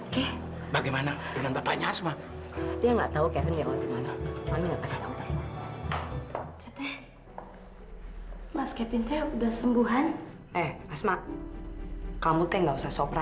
kondisi tuan kevin belum pulih benar